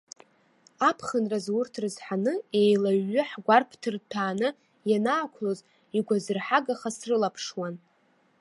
Аԥхынразы урҭ рызҳаны, еилаҩҩы ҳгәарԥ ҭырҭәааны ианаақәлоз, игәазырҳагаха срылаԥшуан.